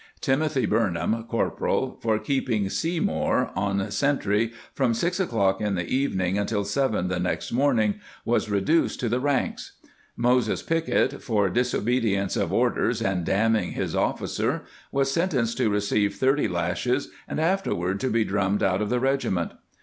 Tim othy Burnham, corporal, for keeping " Seymore " on sentry from six o'clock in the evening until seven the next morning, was reduced to the ranks.^ Moses Pickett " for disobedience of or ders and damning his officer " was sentenced to receive thirty lashes and afterward to be drummed out of the regiment.